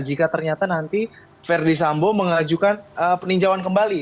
jika ternyata nanti verdi sambo mengajukan peninjauan kembali